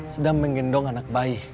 sedang menggendong anak bayi